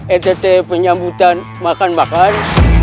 etete penyambutan makan makan